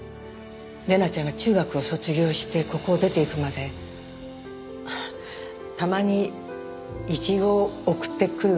玲奈ちゃんが中学を卒業してここを出て行くまでたまにいちごを送ってくるぐらいでしたね。